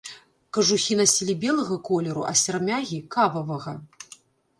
Кажухі насілі белага колеру, а сярмягі кававага.